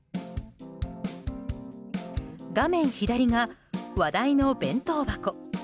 画面左が話題の弁当箱。